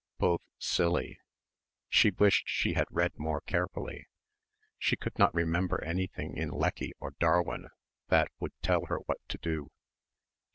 Both, silly.... She wished she had read more carefully. She could not remember anything in Lecky or Darwin that would tell her what to do